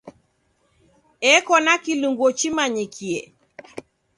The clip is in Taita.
Eko na kilungo chimanyikie.